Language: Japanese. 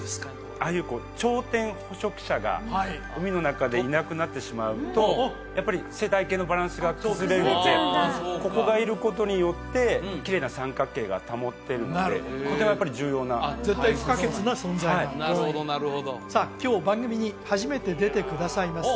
ああいう頂点捕食者が海の中でいなくなってしまうとやっぱり生態系のバランスが崩れるのでここがいることによってきれいな三角形が保ってるのでここはやっぱり重要な絶対不可欠な存在だとなるほどなるほどさあ今日番組に初めて出てくださいます